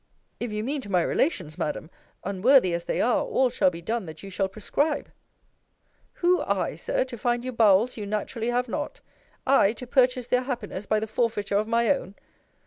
If you mean to my relations, Madam unworthy as they are, all shall be done that you shall prescribe. Who, I, Sir, to find you bowels you naturally have not? I to purchase their happiness by the forfeiture of my own?